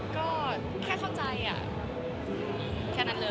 ก็แค่เข้าใจแค่นั้นเลย